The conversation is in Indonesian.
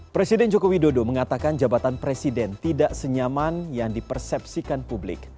presiden joko widodo mengatakan jabatan presiden tidak senyaman yang dipersepsikan publik